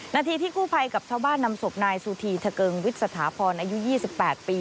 นาทีที่กู้ภัยกับชาวบ้านนำศพนายสุธีทะเกิงวิทย์สถาพรอายุ๒๘ปี